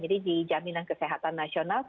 jadi di jaminan kesehatan nasional